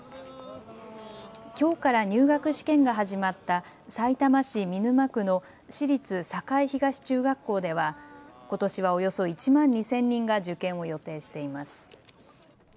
きょうから入学試験が始まったさいたま市見沼区の私立栄東中学校ではことしはおよそ１万２０００人が受験を予定しています。